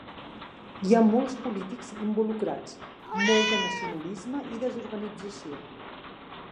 Hi ha molts polítics involucrats, molt de nacionalisme i desorganització.